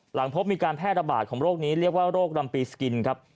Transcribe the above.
หลังพบมีการแพร่ระบาดของโรคนี้เรียกว่าโรครำปีสกินครับ